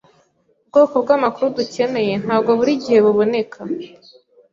Ubwoko bw'amakuru dukeneye ntabwo buri gihe buboneka.